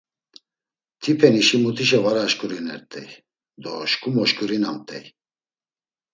Tipenişi mutişa var aşǩurinert̆ey do şǩu moşǩurinamt̆ey.